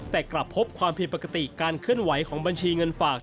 แต่กลับพบความผิดปกติการเคลื่อนไหวของบัญชีเงินฝาก